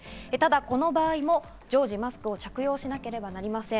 この場合も常時マスクを着用しなければなりません。